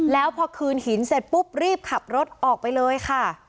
แล้วพอคืนหินเสร็จปุ๊บรีบขับรถออกไปเลยค่ะ